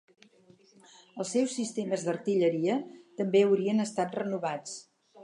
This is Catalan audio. Els seus sistemes d'artilleria també haurien estat renovats.